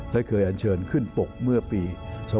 และเคยอันเชิญขึ้นปกเมื่อปี๒๕๖